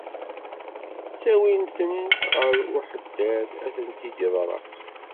Ttawin-tent ɣer uḥeddad ad tent-id-iḍerreq.